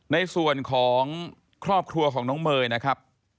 ในส่วนของครอบครัวของน้องเมย์นะครับ